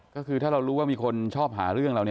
ก็คือถ้าเรารู้ว่ามีคนชอบหาเรื่องเรา